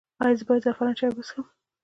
ایا زه باید د زعفران چای وڅښم؟